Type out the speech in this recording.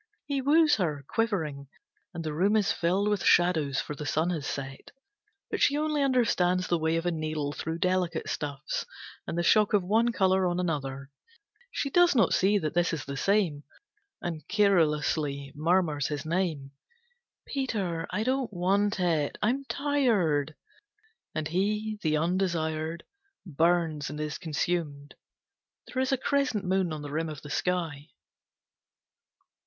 He woos her, quivering, and the room is filled with shadows, for the sun has set. But she only understands the ways of a needle through delicate stuffs, and the shock of one colour on another. She does not see that this is the same, and querulously murmurs his name. "Peter, I don't want it. I am tired." And he, the undesired, burns and is consumed. There is a crescent moon on the rim of the sky.